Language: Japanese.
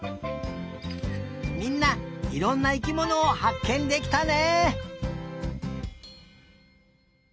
みんないろんな生きものをはっけんできたね！